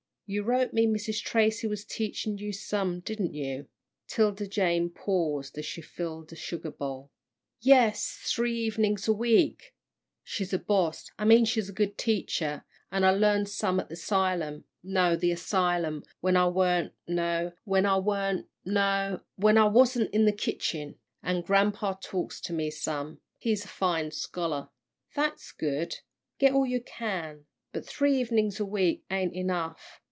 You wrote me Mrs. Tracy was teaching you some, didn't you?" 'Tilda Jane paused as she filled a sugar bowl. "Yes, three evenin's a week. She's a boss I mean a good teacher. I learned some at the 'sylum, no, the asylum, when I warn't no, when I werent' no, when I wasn't in the kitchen. And grampa talks to me some. He's a fine scholar." "That's good get all you can; but three evenings a week ain't enough.